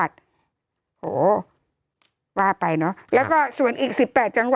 โทษทีน้องโทษทีน้อง